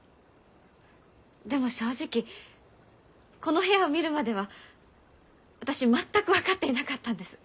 でも正直この部屋を見るまでは私全く分かっていなかったんです。